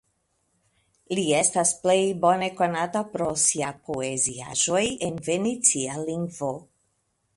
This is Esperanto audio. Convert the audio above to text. Li estas plej bone konata pro sia poeziaĵoj en venecia lingvo.